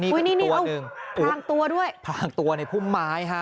นี่เป็นตัวหนึ่งโอ้โฮพรางตัวด้วยพรางตัวในพุ่มไม้ฮะ